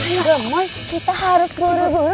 ya kita harus buru buru